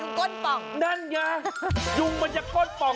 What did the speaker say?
ก้นป่องนั่นไงยุงมันจะก้นป่อง